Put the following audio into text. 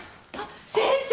先生！